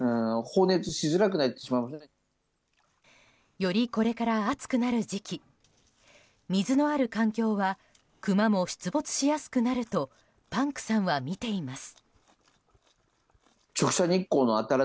よりこれから暑くなる時期水のある環境はクマも出没しやすくなるとパンクさんは見ています。